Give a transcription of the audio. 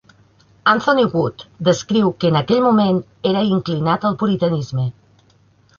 Anthony Wood descriu que en aquell moment era "inclinat al puritanisme".